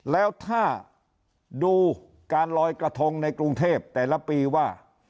แล้วถ้าดูการลอยกระทงในกรุงเทพแต่ละปีว่า